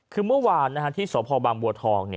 คือเมื่อวานที่สพบางบัวทอง